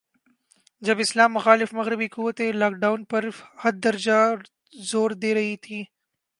جب اسلام مخالف مغربی قوتیں, لاک ڈاون پر حد درجہ زور دے رہی تھیں